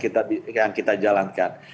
karena sekarang ada tujuh belas yang kita jalankan